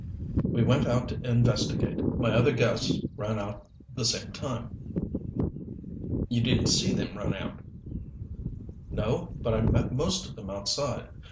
"We went out to investigate. My other guests ran out the same time." "You didn't see them run out?" "No, but I met most of them outside.